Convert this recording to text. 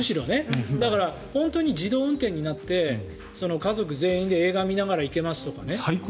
本当に自動運転になって家族全員で映画見ながら行けますとかね。